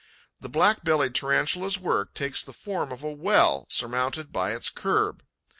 The Black bellied Tarantula's work takes the form of a well surmounted by its kerb.